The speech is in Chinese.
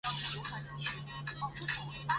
该公司主要是通过展示和贸易展览批发销售。